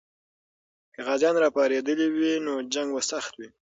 که غازیان راپارېدلي وي، نو جنګ به سخت وي.